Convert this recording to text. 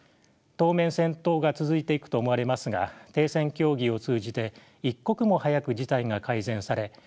当面戦闘が続いていくと思われますが停戦協議を通じて一刻も早く事態が改善され